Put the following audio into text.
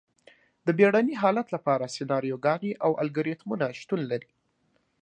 د بیړني حالت لپاره سناریوګانې او الګوریتمونه شتون لري.